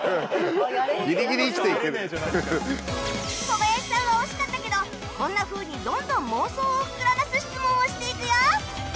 小林さんは惜しかったけどこんなふうにどんどん妄想を膨らます質問をしていくよ！